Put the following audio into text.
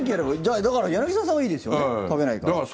だから柳澤さんはいいですよね食べないから。